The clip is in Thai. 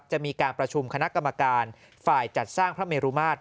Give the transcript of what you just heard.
จะมีการประชุมคณะกรรมการฝ่ายจัดสร้างพระเมรุมาตร